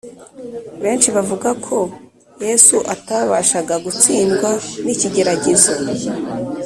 Benshi bavuga ko Yesu atabashaga gutsindwa n’ikigeragezo